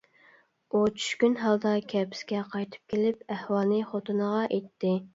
ئۇ چۈشكۈن ھالدا كەپىسىگە قايتىپ كېلىپ ئەھۋالنى خوتۇنىغا ئېيتتى.